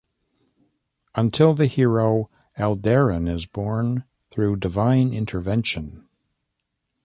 Until the hero Aldarin is born through divine intervention.